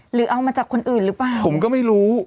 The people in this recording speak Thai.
หรือเอามาจากคนอื่นหรือเปล่าผมก็ไม่รู้